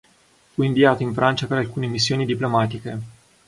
Fu inviato in Francia per alcune missioni diplomatiche.